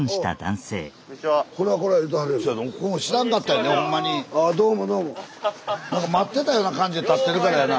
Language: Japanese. スタジオなんか待ってたような感じで立ってるからやな。